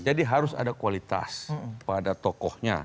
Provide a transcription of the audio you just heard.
jadi harus ada kualitas pada tokohnya